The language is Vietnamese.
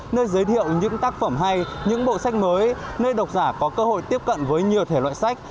nơi giới thiệu những tác phẩm hay những bộ sách mới nơi độc giả có cơ hội tiếp cận với nhiều thể loại sách